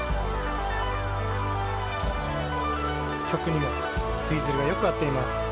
曲にもツイズルがよく合っています。